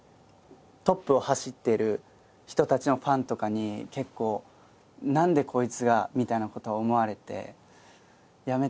トップを走ってる人たちのファンとかに結構何でこいつがみたいなこと思われて。